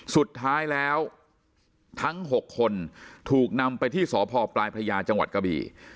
สุดท้ายแล้วทั้ง๖คนถูกนำไปที่สพปลายพระยาจังหวัดกะบี่